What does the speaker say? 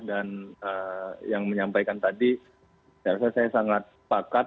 dan yang menyampaikan tadi saya rasa saya sangat pakat